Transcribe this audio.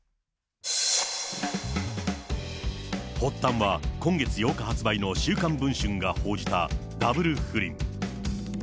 発端は今月８日発売の週刊文春が報じたダブル不倫。